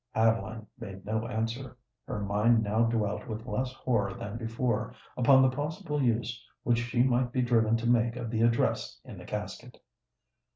Adeline made no answer: her mind now dwelt with less horror than before upon the possible use which she might be driven to make of the address in the casket.